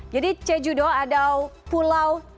jadi jeju do adalah pulau yang sangat luas